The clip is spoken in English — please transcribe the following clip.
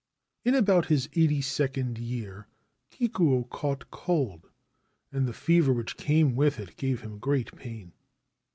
In about his eighty second year Kikuo caught cold, and the fever which came with it gave him great pain.